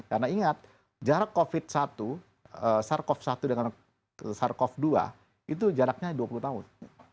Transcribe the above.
karena ingat jarak covid satu sars cov satu dengan sars cov dua itu jaraknya dua puluh tahun